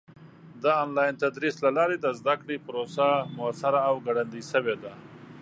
د آنلاین تدریس له لارې د زده کړې پروسه موثره او ګړندۍ شوې ده.